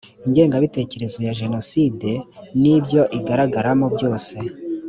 ingengabitekerezo ya jenoside n ibyo igaragaramo byose